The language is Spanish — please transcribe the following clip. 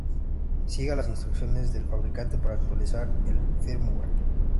Siga las instrucciones del fabricante para actualizar el "firmware".